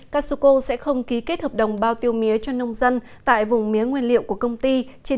casuco sẽ không ký kết hợp đồng bao tiêu mía cho nông dân tại vùng mía nguyên liệu của công ty trên